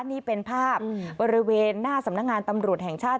นี่เป็นภาพบริเวณหน้าสำนักงานตำรวจแห่งชาติ